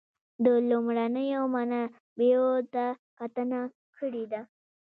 د لومړنیو منابعو ته کتنه کړې ده.